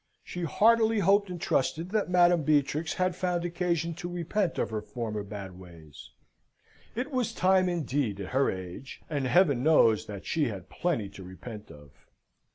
She heartily hoped and trusted that Madam Beatrix had found occasion to repent of her former bad ways. It was time, indeed, at her age; and Heaven knows that she had plenty to repent of!